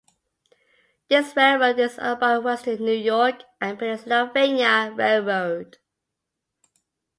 This railroad is owned by Western New York and Pennsylvania Rail Road.